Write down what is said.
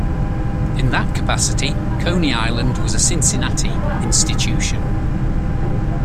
In that capacity, Coney Island was a Cincinnati institution.